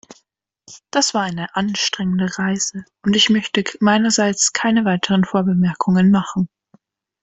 Das war eine anstrengende Reise, und ich möchte meinerseits keine weiteren Vorbemerkungen machen.